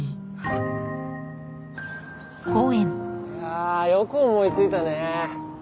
あぁよく思いついたね。